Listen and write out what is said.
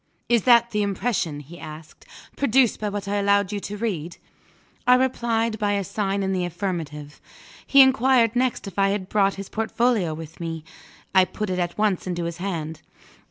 "Is that the impression," he asked, "produced by what I allowed you to read?" I replied by a sign in the affirmative. He inquired next if I had brought his portfolio with me. I put it at once into his hand.